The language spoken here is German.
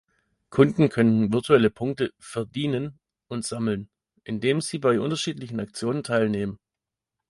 Kunden können virtuelle Punkte „"verdienen"“ und sammeln, indem sie bei unterschiedlichen Aktionen teilnehmen.